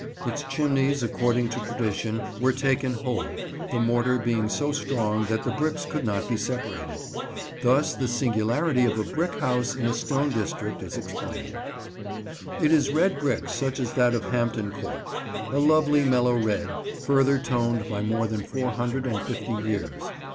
Its chimneys, according to tradition, were taken whole, the mortar being so strong that the bricks could not be separated. Thus the singularity of a brick house in a stone district is explained. [Picture: Compton Wynyates] It is red brick such as that of Hampton Court: a lovely mellow red, further toned by more than four hundred and fifty years.